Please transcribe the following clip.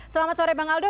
selamat sore bang aldo